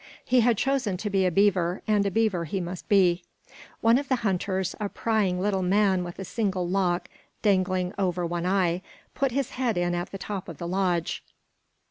He had chosen to be a beaver, and a beaver he must he. One of the hunters, a prying little man with a single lock dangling over one eye, put his head in at the top of the lodge.